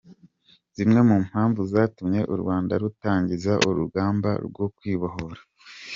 Zimwe mu mpamvu zatumye Urwanda rutangiza urugamba rwo kwibohora